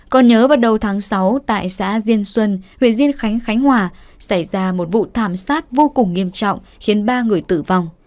còn nhớ vào đầu tháng sáu tại xã diên xuân huyện diên khánh khánh hòa xảy ra một vụ thảm sát vô cùng nghiêm trọng khiến ba người tử vong